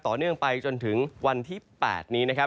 เนื่องไปจนถึงวันที่๘นี้นะครับ